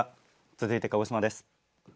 続いて、鹿児島です。